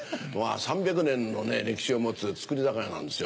３００年の歴史を持つ造り酒屋なんですよ。